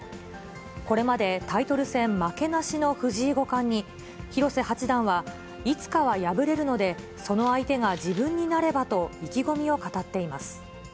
これまで、タイトル戦負けなしの藤井五冠に、広瀬八段は、いつかは敗れるので、その相手が自分になればと、意気込みを語っています。